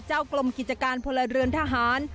เจ้ากลมกิจการพลเรือนทหาร